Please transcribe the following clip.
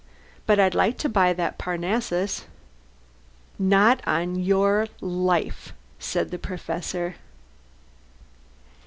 But I'd like to buy that Parnassus." "Not on your life!" said the Professor.